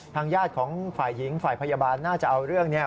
ญาติของฝ่ายหญิงฝ่ายพยาบาลน่าจะเอาเรื่องนี้